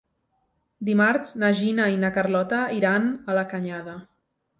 Dimarts na Gina i na Carlota iran a la Canyada.